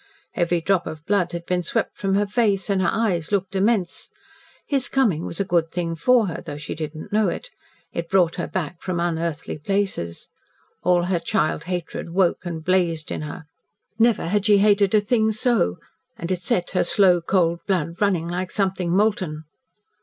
Every drop of blood had been swept from her face, and her eyes looked immense. His coming was a good thing for her, though she did not know it. It brought her back from unearthly places. All her child hatred woke and blazed in her. Never had she hated a thing so, and it set her slow, cold blood running like something molten.